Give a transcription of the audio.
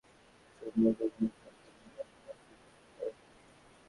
এরপর থেকে বিজ্ঞানীরা বিদ্যুৎ ও চুম্বকের মধ্যে সম্পর্ক নির্ণয়ের জন্য উঠেপড়ে লাগলেন।